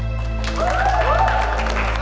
aku begitu merindunya